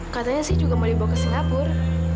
katanya sih juga mau dibawa ke singapura